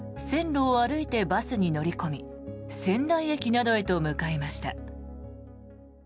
線路を歩いてバスに乗り込み仙台駅などへと向かいました。